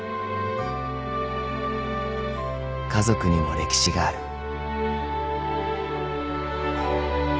［家族にも歴史がある］